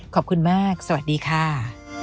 ขอบคุณมากสวัสดีค่ะ